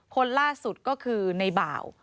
คนล่าสุดก็คือในบ่าว